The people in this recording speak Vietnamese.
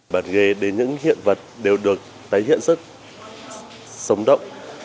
bản ghế đến những hiện vật đều được tái hiện rất sống động